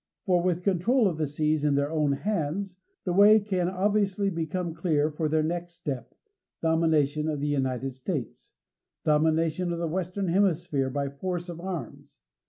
For with control of the seas in their own hands, the way can obviously become clear for their next step domination of the United States domination of the Western Hemisphere by force of arms.